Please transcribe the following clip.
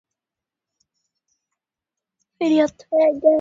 Hayati Benjamin Mkapa Jakaya Kikwete na hayati John Magufuli